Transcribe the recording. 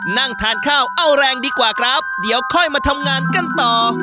นั่งทานข้าวเอาแรงดีกว่าครับเดี๋ยวค่อยมาทำงานกันต่อ